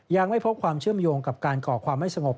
ยังไม่พบความเชื่อมโยงกับการก่อความไม่สงบ